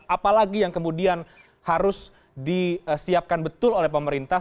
apalagi yang kemudian harus disiapkan betul oleh pemerintah